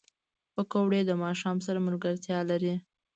پکورې د ماښام سره ملګرتیا لري